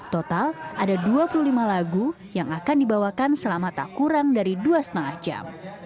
total ada dua puluh lima lagu yang akan dibawakan selama tak kurang dari dua lima jam